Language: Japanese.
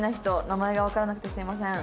名前がわからなくてすいません」。